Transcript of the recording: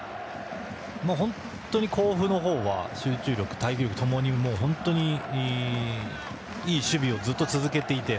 本当に甲府は集中力、耐久力ともにいい守備をずっと続けていて。